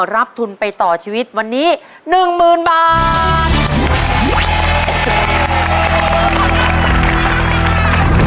รับทุนไปต่อชีวิตวันนี้หนึ่งหมื่นบาท